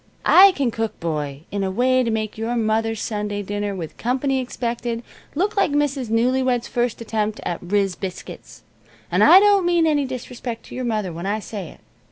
I can cook, boy, in a way to make your mother's Sunday dinner, with company expected, look like Mrs. Newlywed's first attempt at 'riz' biscuits. And I don't mean any disrespect to your mother when I say it.